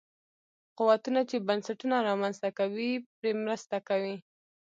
قوتونه چې بنسټونه رامنځته کوي پرې مرسته کوي.